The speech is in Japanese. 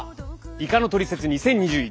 「イカのトリセツ２０２１」。